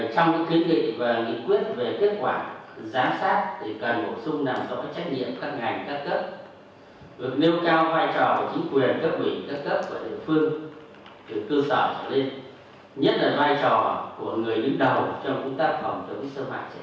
trong những ký định và nghị quyết về kết quả giám sát thì cần một dung nằm trong các trách nhiệm các ngành các cấp